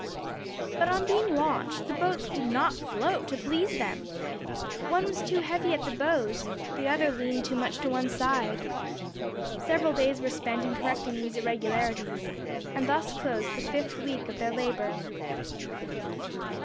But on being launched the boats did not float to please them. One was too heavy at the bows, the other leaned too much to one side. Several days were spent in correcting these irregularities, and thus closed the fifth week of their labour.